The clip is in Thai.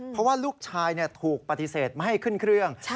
เพราะว่าลูกชายถูกปฏิเสธไม่ให้ขึ้นเครื่อง